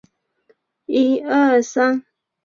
这五十块给你